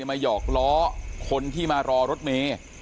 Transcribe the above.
หยอกล้อคนที่มารอรถเมย์